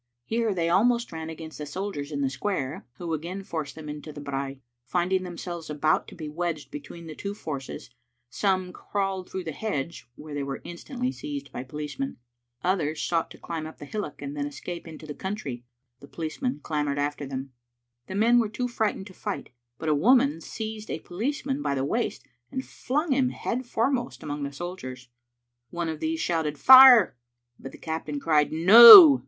Here they almost ran against the soldiers in the square, who again forced them into the brae. Finding themselves about to be wedged between the two forces, some crawled through the hedge, where they were instantly seized by policemen. Others sought to climb up the hillock and then escape into the country. The police men clambered after them. The men were too fright ened to fight, but a woman seized a policeman by the waist and flung him head foremost among the soldiers. One of these shouted "Fire!" but the captain cried " No.